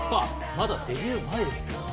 まだデビュー前ですよ。